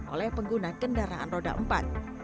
oleh pengguna kendaraan roda empat